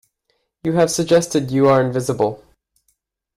You have suggested you are invisible.